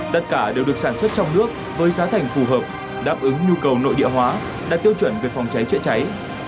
tất cả đều được sản xuất trong nước với giá thành phù hợp đáp ứng nhu cầu nội địa hóa đạt tiêu chuẩn về phòng cháy chữa cháy